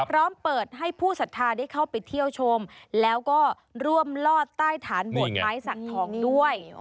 พร้อมเปิดให้ผู้สัทธาได้เข้าไปเที่ยวชมแล้วก็ร่วมลอดใต้ฐานโบสถไม้สักทองด้วย